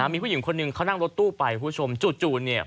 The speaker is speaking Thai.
มีผู้หญิงคนหนึ่งเขานั่งรถตู้ไปคุณผู้ชมจู่เนี่ย